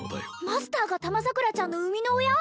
マスターがたまさくらちゃんの生みの親！？